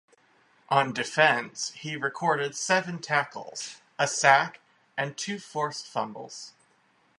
On defense, he recorded seven tackles, a sack and two forced fumbles.